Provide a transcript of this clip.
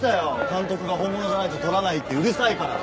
監督が本物じゃないと撮らないってうるさいから。